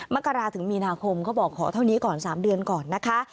มกราถึงมีนาคมเขาบอกขอเท่านี้ก่อน๓เดือนก่อนนะคะ